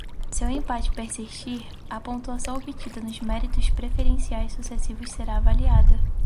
Se o empate persistir, a pontuação obtida nos méritos preferenciais sucessivos será avaliada.